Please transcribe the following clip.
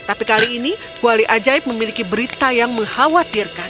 tapi kali ini kuali ajaib memiliki berita yang mengkhawatirkan